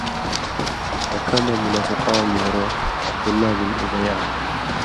مکہ مہ منافقہ واں گھېن٘رو عبداللہ بن اُبئ آن٘س،